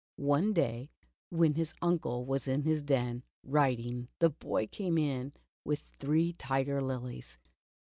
One day when his uncle was in his den, writing, the boy came in with three tiger lilies.